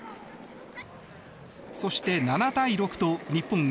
そして７対６と日本